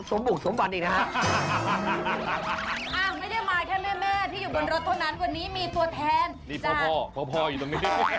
เสมอ